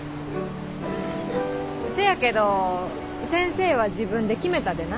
せやけど先生は自分で決めたでな。